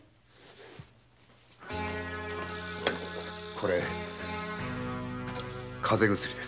これ風邪薬です。